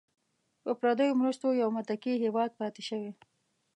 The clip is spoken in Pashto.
په پردیو مرستو یو متکي هیواد پاتې شوی.